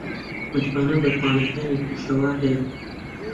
متمانەم بە تواناکانی پێشەوا هەیە.